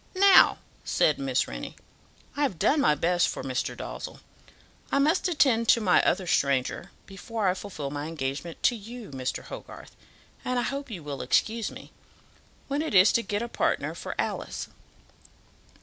"Now," said Miss Rennie, "I have done my best for Mr. Dalzell. I must attend to my other stranger before I fulfil my engagement to you, Mr. Hogarth, and I hope you will excuse me, when it is to get a partner for Alice.